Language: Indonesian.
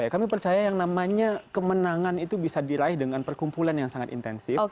kami percaya yang namanya kemenangan itu bisa diraih dengan perkumpulan yang sangat intensif